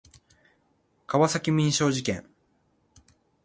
川崎民商事件